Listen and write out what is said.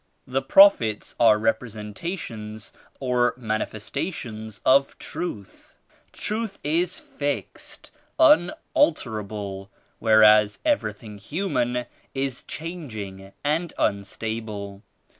The Prophets are representations or Manifesta tions of Truth. Truth is fixed, unalterable, whereas everything human is changing and un stable.